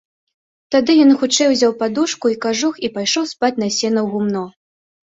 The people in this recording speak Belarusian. Тады ён хутчэй узяў падушку і кажух і пайшоў спаць на сена ў гумно.